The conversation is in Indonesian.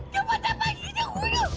kepada paginya hulu